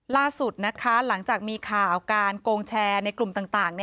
ล่าสุดนะคะหลังจากมีข่าวการโกงแชร์ในกลุ่มต่าง